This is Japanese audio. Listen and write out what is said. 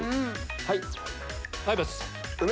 はい！